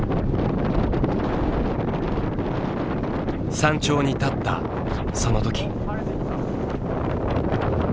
山頂に立ったそのとき。